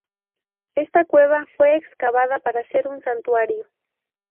Esta cueva fue excavada para ser un santuario.